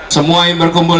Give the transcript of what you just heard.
semua yang berkumpul